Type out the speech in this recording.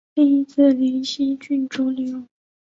另一子灵溪郡王李咏。